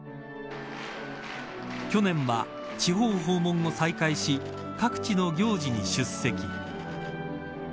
去年は地方訪問を再開し各地の行事に出席。